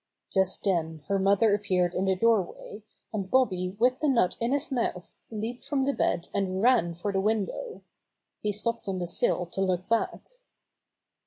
Just then her mother appeared in the door way, and Bobby with the nut in his mouth leaped from the bed and ran for the window. He stopped on the sill to look back.